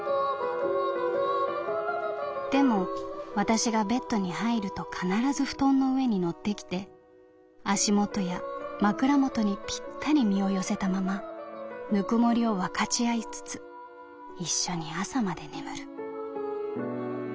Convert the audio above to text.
「でも私がベッドに入ると必ず布団の上に乗ってきて足元や枕元にぴったり身を寄せたまま温もりを分かち合いつつ一緒に朝まで眠る」。